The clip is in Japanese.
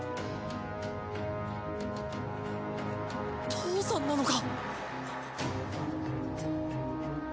父さんなのか？